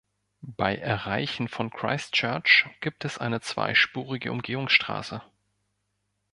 Bei Erreichen von Christchurch gibt es eine zweispurige Umgehungsstraße.